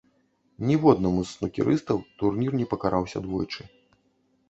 Ніводнаму з снукерыстаў турнір не пакараўся двойчы.